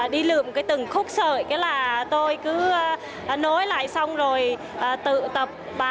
đi lượm từng khúc sợi tôi cứ nối lại xong rồi tự tập